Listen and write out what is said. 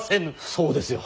そうですよ。